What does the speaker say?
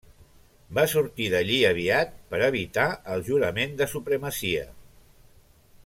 Va sortir d'allí aviat per evitar el Jurament de Supremacia.